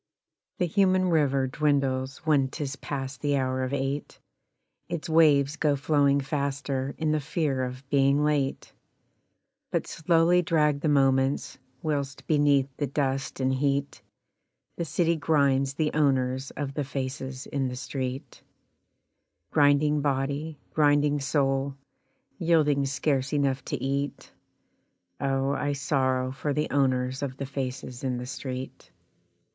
The human river dwindles when 'tis past the hour of eight, Its waves go flowing faster in the fear of being late; But slowly drag the moments, whilst beneath the dust and heat The city grinds the owners of the faces in the street Grinding body, grinding soul, Yielding scarce enough to eat Oh! I sorrow for the owners of the faces in the street.